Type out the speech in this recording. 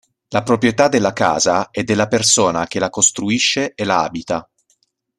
La proprietà della casa è della persona che la costruisce e la abita.